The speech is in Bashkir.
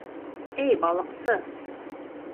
Эй балыҡсы!